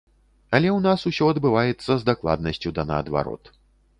Але ў нас усё адбываецца з дакладнасцю да наадварот.